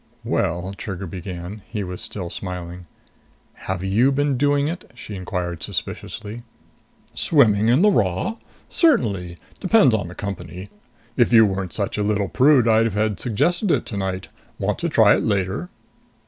"Well " Trigger began. He was still smiling. "Have you been doing it?" she inquired suspiciously. "Swimming in the raw? Certainly. Depends on the company. If you weren't such a little prude, I'd have suggested it tonight. Want to try it later?"